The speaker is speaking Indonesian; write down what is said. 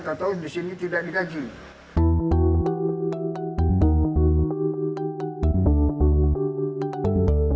tahu tahu di sini tidak digaji